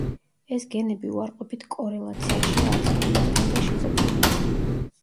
ეს გენები უარყოფით კორელაციაშია ალცჰაიმერთან და შიზოფრენიასთან.